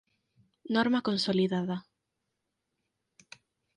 Norma Consolidada